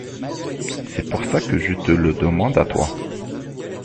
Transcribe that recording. C’est pour ça que je te le demande à toi.